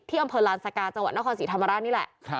อำเภอลานสกาจังหวัดนครศรีธรรมราชนี่แหละ